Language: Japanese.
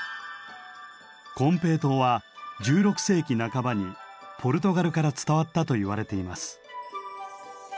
金平糖は１６世紀半ばにポルトガルから伝わったといわれています。